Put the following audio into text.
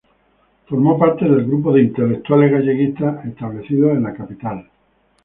Formó parte del grupo de intelectuales galleguistas establecidos en la capital.